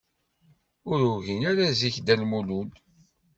Ur igin ara zik Dda Lmulud.